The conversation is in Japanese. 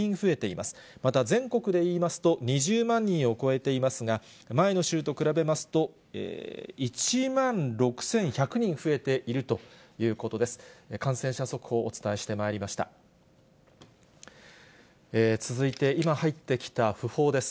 また全国でいいますと、２０万人を超えていますが、前の週と比べますと、１万６１００人増えているということです。